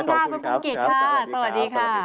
ขอบคุณค่ะสวัสดีครับ